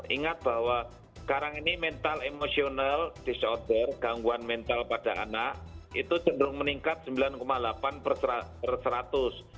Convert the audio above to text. ingat bahwa sekarang ini mental emosional disorder gangguan mental pada anak itu cenderung meningkat sembilan delapan per seratus